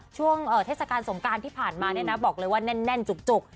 ช่วงเทศกาลสงการที่ผ่านมาเนี่ยนะบอกเลยว่าแน่นจุก